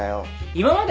今まで？